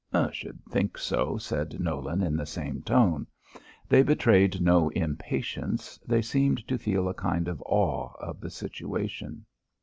"Should think so," said Nolan, in the same tone. They betrayed no impatience; they seemed to feel a kind of awe of the situation.